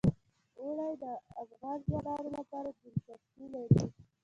اوړي د افغان ځوانانو لپاره دلچسپي لري.